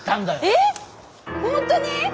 えっ本当に？